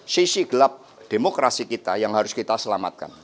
sisi gelap demokrasi kita yang harus kita selamatkan